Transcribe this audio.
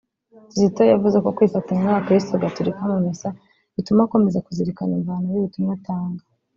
Kizito yavuze ko kwifatanya n’Abakristu Gaturika mu misa bituma akomeza kuzirikana imvano y’ubutumwa atanga